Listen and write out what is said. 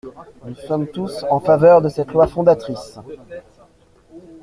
Nous sommes tous en faveur de cette loi fondatrice.